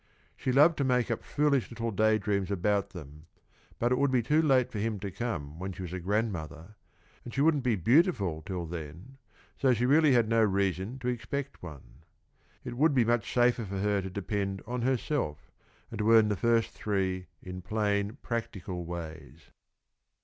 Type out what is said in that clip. She loved to make up foolish little day dreams about them, but it would be too late for him to come when she was a grandmother, and she wouldn't be beautiful till then, so she really had no reason to expect one. It would be much safer for her to depend on herself, and earn the first three in plain, practical ways.